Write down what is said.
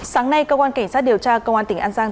sáng nay cơ quan cảnh sát điều tra công an tỉnh an giang